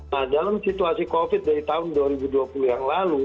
nah dalam situasi covid dari tahun dua ribu dua puluh yang lalu